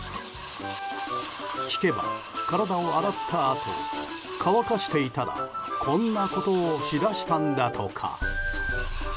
聞けば、体を洗ったあと乾かしていたらこんなことをしだしたんだとか。